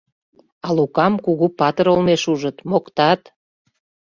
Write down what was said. А Лукам кугу патыр олмеш ужыт, моктат.